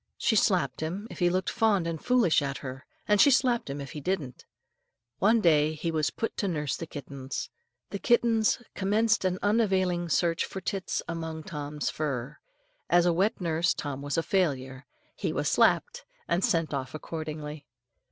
She slapped him if he looked fond and foolish at her, and she slapped him if he didn't. One day he was put to nurse the kittens. The kittens commenced an unavailing search for tits among Tom's fur. As a wet nurse, Tom was a failure. He was slapped, and sent off accordingly.